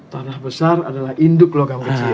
tanah besar adalah induk logam kecil